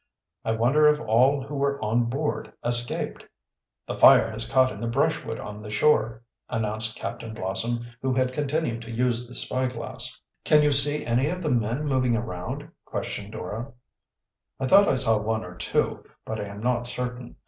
"I wonder if all who were on board escaped?" "The fire has caught in the brushwood on the shore," announced Captain Blossom, who had continued to use the spyglass. "Can you see any of the men moving around?" questioned Dora. "I thought I saw one or two, but I am not certain.